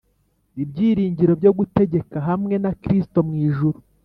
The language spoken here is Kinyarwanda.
Ibyiringiro byo gutegeka hamwe na kristo mu ijuru